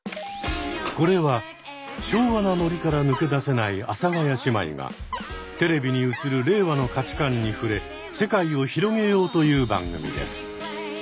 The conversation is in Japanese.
これは昭和なノリから抜け出せない阿佐ヶ谷姉妹がテレビに映る令和の価値観に触れ世界を広げようという番組です。